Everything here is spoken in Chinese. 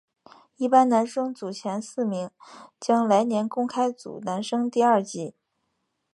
一般男生组前四名将来年公开组男生第二级。